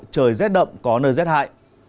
trời rét đậm có nơi rét hại